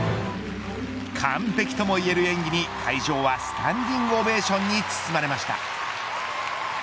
完璧ともいえる演技に、会場はスタンディングオベーションに包まれました。